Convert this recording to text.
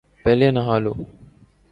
پہلے نہا لو ـ